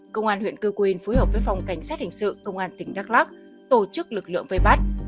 công an huyện cư quyên phối hợp với phòng cảnh sát hình sự công an tỉnh đắk lắc tổ chức lực lượng vây bắt